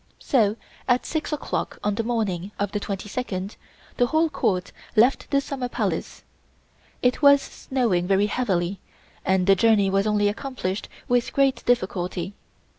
So at six o'clock on the morning of the 22d the whole Court left the Summer Palace. It was snowing very heavily and the journey was only accomplished with great difficulty.